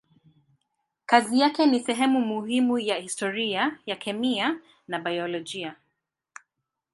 Kazi yake ni sehemu muhimu ya historia ya kemia na biolojia.